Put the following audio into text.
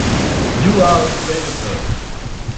You are afraid of her!